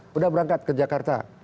sudah berangkat ke jakarta